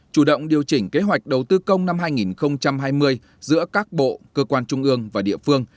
chủ động điều chỉnh kế hoạch đầu tư công năm hai nghìn hai mươi giữa các bộ cơ quan trung ương và địa phương